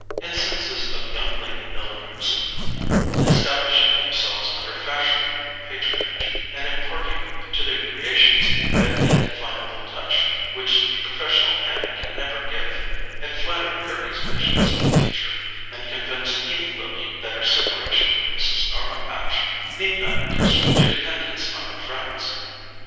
Instances of young lady milliners establishing themselves under fashionable patronage, and imparting to their "creations" that indefinable touch which the professional hand can never give, had flattered Gerty's visions of the future, and convinced even Lily that her separation from Mrs. Norma Hatch need not reduce her to dependence on her friends.